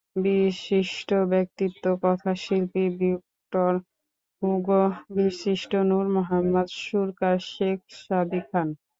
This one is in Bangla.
বিশিষ্ট ব্যক্তিত্ব—কথাশিল্পী ভিক্টর হুগো, বীরশ্রেষ্ঠ নূর মোহাম্মদ, সুরকার শেখ সাদী খান।